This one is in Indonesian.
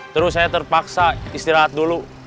terus saya terpaksa istirahat dulu